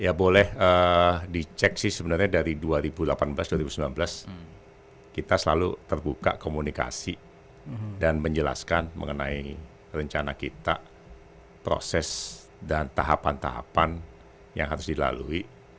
ya boleh dicek sih sebenarnya dari dua ribu delapan belas dua ribu sembilan belas kita selalu terbuka komunikasi dan menjelaskan mengenai rencana kita proses dan tahapan tahapan yang harus dilalui